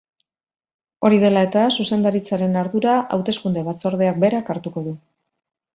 Hori dela eta, zuzendaritzaren ardura hauteskunde-batzordeak berak hartuko du.